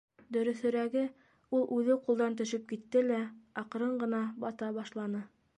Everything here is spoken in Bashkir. Дөрөҫөрәге, ул үҙе ҡулдан төшөп китте лә аҡрын ғына бата башланы.